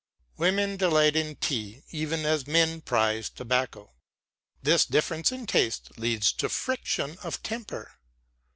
Women delight in tea even as men prize tobacco. This difference in taste leads to friction of temper.